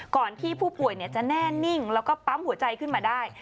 ที่ผู้ป่วยจะแน่นิ่งแล้วก็ปั๊มหัวใจขึ้นมาได้